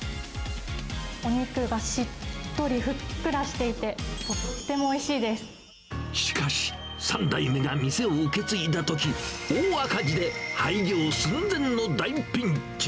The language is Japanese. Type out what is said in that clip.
お肉がしっとりふっくらしてしかし、３代目が店を受け継いだとき、大赤字で廃業寸前の大ピンチ。